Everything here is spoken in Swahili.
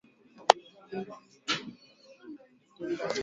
Marais wamezindua ramani iliyopanuliwa ya Jumuiya ya Afrika Mashariki